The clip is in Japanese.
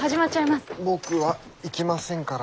僕は行きませんから。